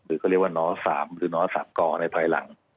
หรือเขาเรียกว่านสสกในปลายหลัง